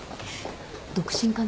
独身かな？